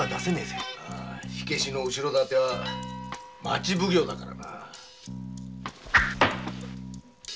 火消しの後ろ盾は町奉行だからな。